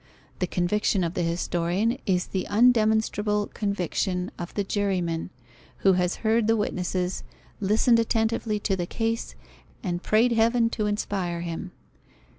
The conviction of the historian is the undemonstrable conviction of the juryman, who has heard the witnesses, listened attentively to the case, and prayed Heaven to inspire him.